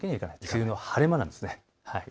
梅雨の晴れ間なんです。